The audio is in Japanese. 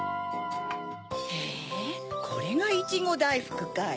へぇこれがいちごだいふくかい？